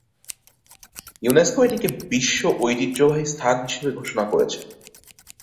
UNESCO এটিকে একটি বিশ্ব ঐতিহ্যবাহী স্থান হিসেবে ঘোষণা করেছে।